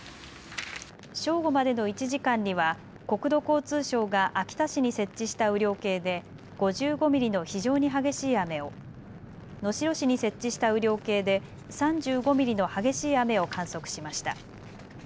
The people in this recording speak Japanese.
正午までの１時間には国土交通省が秋田市に設置した雨量計で５５ミリの非常に激しい雨を、能代市に設置した雨量計で３５ミリの激しい雨を観測しました。